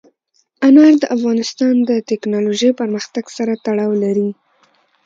انار د افغانستان د تکنالوژۍ پرمختګ سره تړاو لري.